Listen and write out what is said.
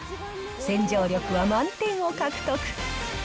洗浄力は満点を獲得。